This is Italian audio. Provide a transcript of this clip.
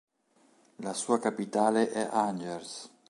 La sua capitale è Angers.